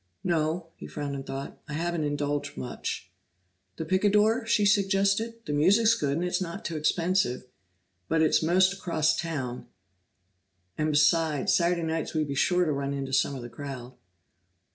"No." He frowned in thought. "I haven't indulged much." "The Picador?" she suggested. "The music's good, and it's not too expensive. But it's 'most across town, and besides, Saturday nights we'd be sure to run into some of the crowd."